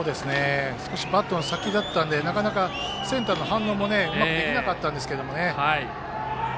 少しバットの先だったのでなかなか、センターの反応もうまくできなかったんですけれど。